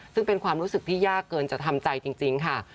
ซึ่งเป็นความรู้สึกที่ยากเกินจะทำใจจริงค่ะ